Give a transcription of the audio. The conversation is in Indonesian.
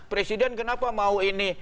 presiden kenapa mau ini